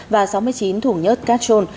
và sáu mươi chín thủ nhất cachon